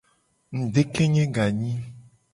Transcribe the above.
Ngudekenye ganyi.